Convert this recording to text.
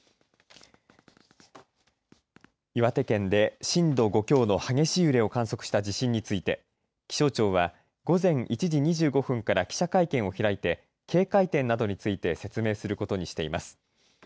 岩手県で震度５強の激しい揺れを観測した地震について気象庁は午前１時２５分から記者会見を開いて警戒点などについて説明することにしています。